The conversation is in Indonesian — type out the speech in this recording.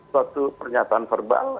suatu pernyataan verbal